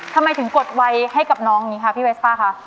ทำไมถึงกดไวให้กับน้องอย่างนี้ค่ะพี่เวสป้าคะ